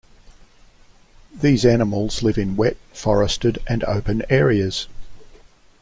These animals live in wet forested and open areas.